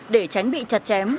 để tránh bị chặt chém